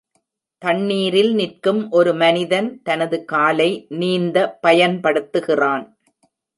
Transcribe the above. தண்ணீரில் நிற்கும் ஒரு மனிதன் தனது காலை நீந்த பயன்படுத்துகிறான்.